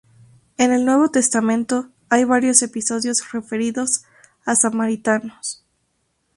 En el Nuevo Testamento hay varios episodios referidos a samaritanos.